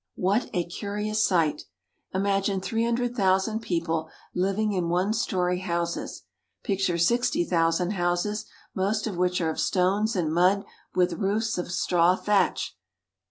What a curious sight ! Imagine three hundred thousand people living in one story houses ; picture sixty thousand houses most of which are of stones and mud with roofs of straw thatch